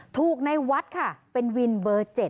ถูกในวัตต์ค่ะเป็นวินเบอร์๗